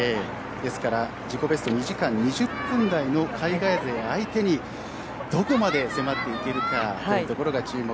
ですから自己ベスト２時間２０分台の海外勢相手にどこまで迫っていけるかというところが注目。